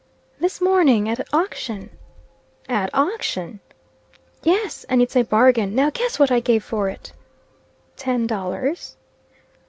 "This morning, at auction." "At auction!" "Yes; and it's a bargain. Now guess what I gave for it?" "Ten dollars?"